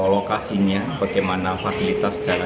lokasinya bagaimana fasilitas jalan